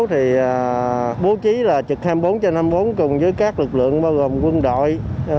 thì bố trí là trực hai mươi bốn trên hai mươi bốn cùng với các lực lượng bao gồm quân đội